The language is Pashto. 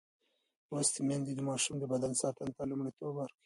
لوستې میندې د ماشوم د بدن ساتنې ته لومړیتوب ورکوي.